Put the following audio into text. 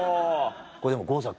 これでも郷さん